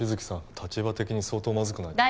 立場的に相当まずくないですか？